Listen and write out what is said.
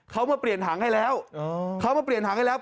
เขามาเปลี่ยนถังให้แล้วเขามาเปลี่ยนถังให้แล้ว